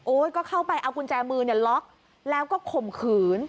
ก็เข้าไปเอากุญแจมือเนี่ยล็อกแล้วก็ข่มขืน